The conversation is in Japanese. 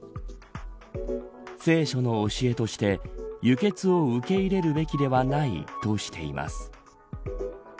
聖書の教えとして輸血を受け入れるべきではないとしています。